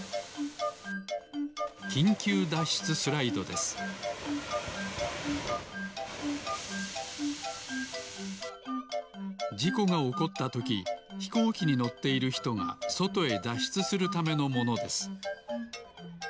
きんきゅうだっしゅつスライドですじこがおこったときひこうきにのっているひとがそとへだっしゅつするためのものです